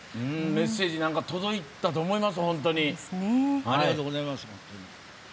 メッセージ届いたと思います。